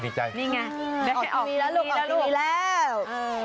นี่ไงออกทีนี้แล้วลูกออกทีนี้แล้ว